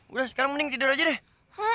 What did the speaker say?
udah sekarang mending tidur aja deh